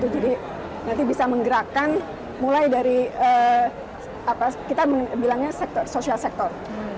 jadi nanti bisa menggerakkan mulai dari kita bilangnya social sector